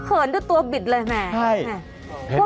เขินแต่ตัวบิดเลยมัน